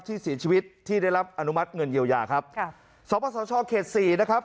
ที่เสียชีวิตที่ได้รับอนุมัติเงินเยียวยาครับค่ะสปสชเขตสี่นะครับ